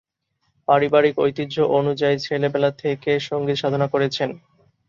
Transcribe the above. পারিবারিক ঐতিহ্য অনুযায়ী ছেলেবেলা থেকে সঙ্গীত সাধনা করেছেন।